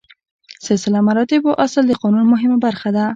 سلسله مراتبو اصل د قانون مهمه برخه ده.